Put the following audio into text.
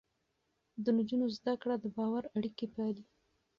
د نجونو زده کړه د باور اړيکې پالي.